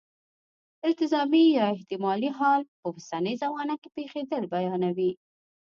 التزامي یا احتمالي حال په اوسنۍ زمانه کې پېښېدل بیانوي.